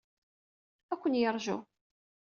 Ad ken-yeṛju.